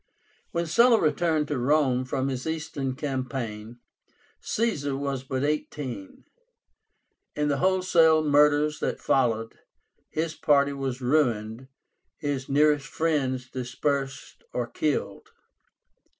When Sulla returned to Rome from his Eastern campaign, Caesar was but eighteen. In the wholesale murders that followed, his party was ruined, his nearest friends dispersed or killed.